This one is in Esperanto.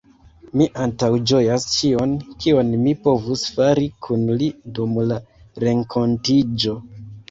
Mi antaŭĝojas ĉion, kion mi povus fari kun li dum la renkontiĝo.